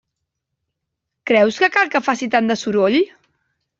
Creus que cal que faci tant de soroll?